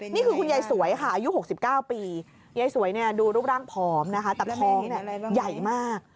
คุณยายสวยค่ะอายุ๖๙ปียายสวยดูรูปร่างผอมนะคะแต่ท้องใหญ่มาก